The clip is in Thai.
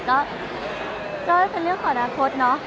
ก็ก็เป็นเรื่องขอดาคตเเนาะ